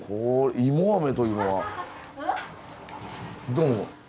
どうも。